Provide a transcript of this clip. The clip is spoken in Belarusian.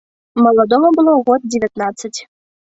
Маладому было год дзевятнаццаць.